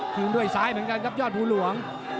คืนด้วยซ้ายเหมือนกันครับยอดภูหลวง